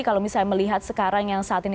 kalau misalnya melihat sekarang yang saat ini